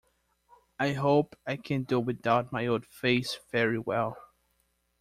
I hope I can do without my old face very well.